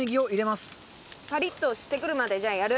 仲：パリッとしてくるまでじゃあ、やる？